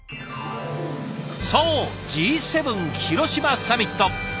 そうＧ７広島サミット！